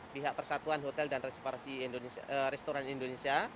pihak persatuan hotel dan restoran indonesia